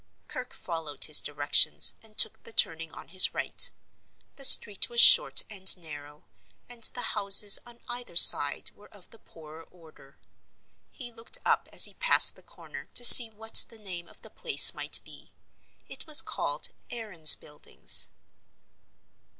Kirke followed his directions and took the turning on his right. The street was short and narrow, and the houses on either side were of the poorer order. He looked up as he passed the corner to see what the name of the place might be. It was called "Aaron's Buildings."